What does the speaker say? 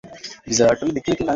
প্রহরী এটা নিয়ে এসেছেন।